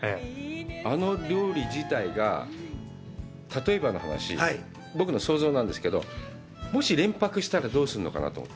あの料理自体が、例えばの話、僕の想像なんですけど、もし連泊したら、どうするのかな？って。